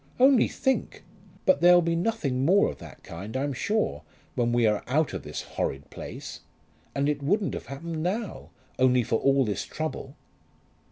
Only think! But there'll be nothing more of that kind, I'm sure, when we are out of this horrid place; and it wouldn't have happened now, only for all this trouble."